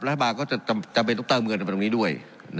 รัฐบาลก็จำเป็นต้องตั้งเงินมาตรงนี้ด้วย